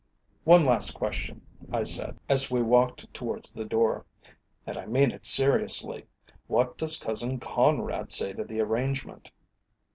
"One last question," I said, as we walked towards the door, "and I mean it seriously. What does cousin Conrad say to the arrangement?"